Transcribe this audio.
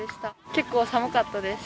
結構寒かったです。